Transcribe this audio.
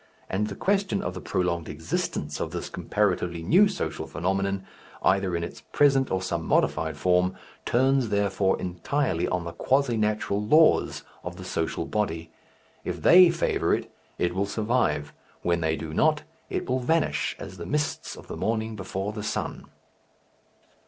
And the question of the prolonged existence of this comparatively new social phenomenon, either in its present or some modified form, turns, therefore, entirely on the quasi natural laws of the social body. If they favour it, it will survive; when they do not, it will vanish as the mists of the morning before the sun.